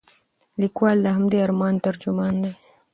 لیکوال د همدې ارمان ترجمان دی.